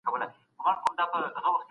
غیر قانوني کړنې څه پایلې لري؟